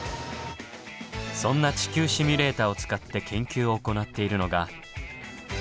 そんな「地球シミュレータ」を使って研究を行っているのが。